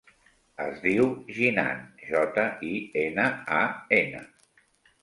Es diu Jinan: jota, i, ena, a, ena.